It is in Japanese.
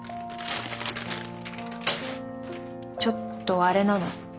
ちょっとあれなの？